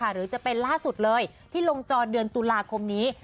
หรือจะเป็นล่าสุดเลยที่ลงจอเดือนตุลาคมนี้